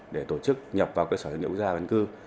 để tổ chức nhập vào cơ sở dữ liệu quốc gia vấn cư